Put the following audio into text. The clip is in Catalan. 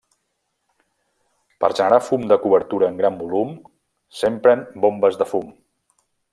Per generar fum de cobertura en gran volum, s'empren bombes de fum.